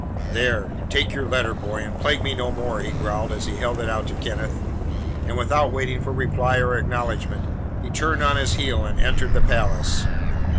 "There, take your letter, boy, and plague me no more," he growled, as he held it out to Kenneth. And without waiting for reply or acknowledgment, he turned on his heel, and entered the palace.